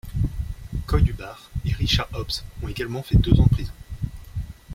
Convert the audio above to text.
Coy Hubbard et Richard Hobbs ont également fait deux ans de prison.